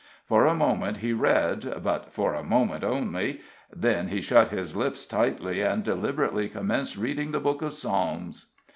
For a moment he read, but for a moment only; then he shut his lips tightly, and deliberately commenced reading the Book of Psalms.